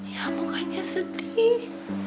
ya mukanya sedih